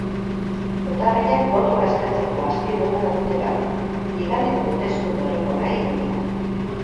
Hautagaiak botoa eskatzeko azken eguna dute gaur, igandeko hauteskunde orokorrei begira.